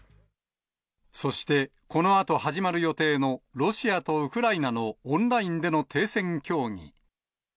そして、このあと始まる予定のロシアとウクライナのオンラインでの停戦協議。